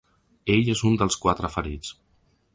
Ell és un dels quatre ferits.